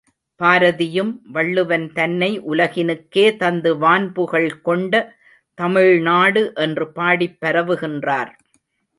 பாரதியும் வள்ளுவன் தன்னை உலகினுக்கே தந்து வான்புகழ் கொண்ட தமிழ்நாடு என்று பாடிப் பரவுகின்றார்.